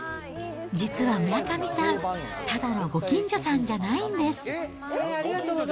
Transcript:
実は村上さん、ただのご近所さんじゃないんです。